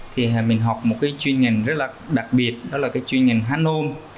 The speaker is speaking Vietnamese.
thì mình học một cái chuyên ngành rất là đặc biệt đó là cái chuyên ngành hán nôm